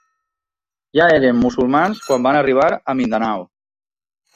Ja eren musulmans quan van arribar a Mindanao.